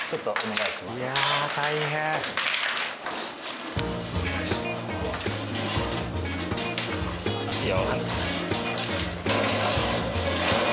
いいよ。